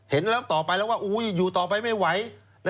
เห็นแล้วต่อไปแล้วว่าอยู่ต่อไปไม่ไหว